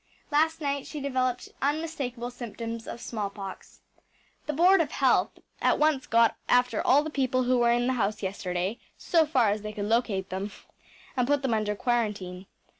Last night she developed unmistakable symptoms of smallpox. The Board of Health at once got after all the people who were in the house yesterday, so far as they could locate them, and put them under quarantine.